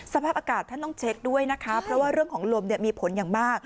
สภาพอากาศท่านต้องเช็คด้วยนะคะเพราะว่าเรื่องของลมมีผลอย่างมาก